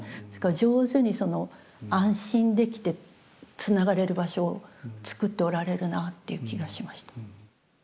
ですから上手に安心できてつながれる場所をつくっておられるなという気がしました。